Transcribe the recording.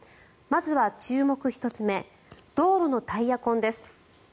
まずは注目１つ目道路のタイヤ痕です。